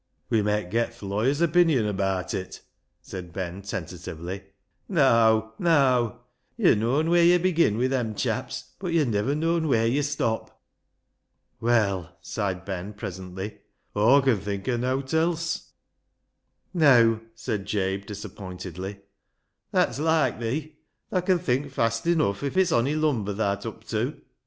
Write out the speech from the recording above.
"" We met get th' lav/yer's opinion abaat it," said Ben tentatively. " Neaw ! neaw ! yo' known wheer yo' begin M'i' them chaps, but yo' niver known wheer yo' stop." " Well," sighed Ben presently, " Aw con think o' nowt else." "Neaw," said Jabe disappointedly, "that's loike thee. Thaa con think fast enough if it's ony lumber tha'rt up tew.